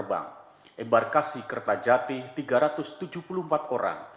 dan embarkasi kerta jati tiga ratus tujuh puluh empat orang satu kelompok terbang